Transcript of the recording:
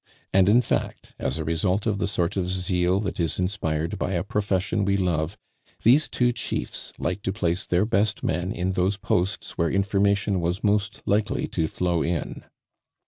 And, in fact, as a result of the sort of zeal that is inspired by a profession we love, these two chiefs liked to place their best men in those posts where information was most likely to flow in.